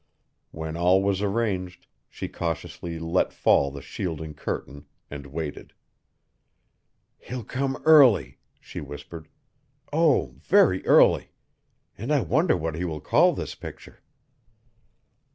When all was arranged, she cautiously let fall the shielding curtain and waited. "He'll come early!" she whispered, "oh! very early. And I wonder what he will call this picture?"